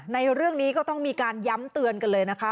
ในเรื่องนี้ก็ต้องมีการย้ำเตือนกันเลยนะคะ